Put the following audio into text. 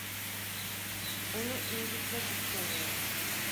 Onu incitmek istemiyorum.